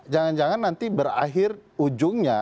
jangan jangan nanti berakhir ujungnya